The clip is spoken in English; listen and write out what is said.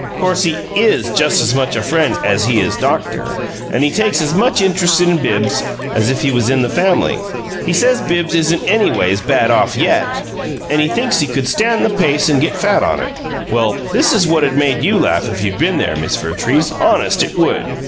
'Course he IS just as much a friend as he is doctor and he takes as much interest in Bibbs as if he was in the family. He says Bibbs isn't anyways bad off YET; and he thinks he could stand the pace and get fat on it if well, this is what'd made YOU laugh if you'd been there, Miss Vertrees honest it would!"